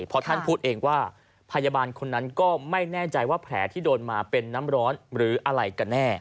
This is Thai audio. เพราะท่านพูดเองว่าพยาบาลคนนั้นก็ไม่แน่ใจว่าแผลที่โดนมาเป็นน้ำร้อนหรืออะไรกันแน่